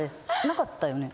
なかったよね？